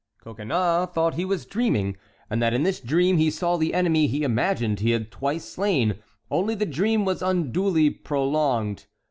Coconnas thought he was dreaming, and that in this dream he saw the enemy he imagined he had twice slain, only the dream was unduly prolonged.